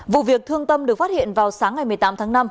vụ việc thương tâm được phát hiện vào sáng ngày một mươi tám tháng năm